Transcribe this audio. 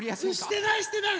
してないしてない！